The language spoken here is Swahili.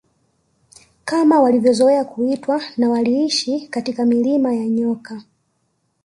Kama walivyozoea kuitwa na waliishi katika milima ya nyoka